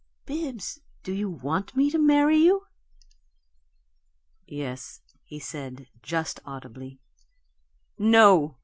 "Bibbs, do you want me to marry you?" "Yes," he said, just audibly.